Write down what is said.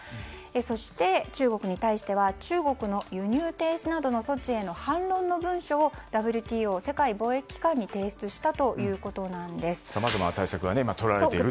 そして、中国に対しては中国の輸入停止などの措置への反論の文書をＷＴＯ・世界貿易機関にさまざま対策は取られているという。